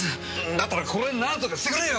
だったらこれ何とかしてくれよ！